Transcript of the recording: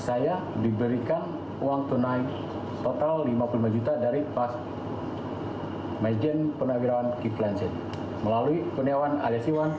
saya diberikan uang tunai total rp lima puluh lima juta dari pak maijen purnawirawan diplanzen melalui haji kurniawan alias iwan